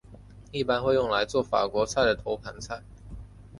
一般会用来作法国菜的头盘菜。